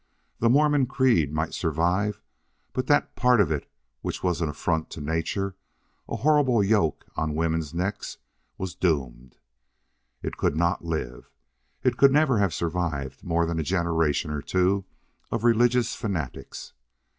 The Mormon creed might survive, but that part of it which was an affront to nature, a horrible yoke on women's necks, was doomed. It could not live. It could never have survived more than a generation or two of religious fanatics.